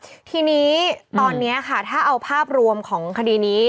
ทีนี้ตอนนี้ค่ะถ้าเอาภาพรวมของคดีนี้